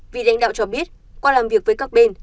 vị lãnh đạo cho biết qua làm việc với các bên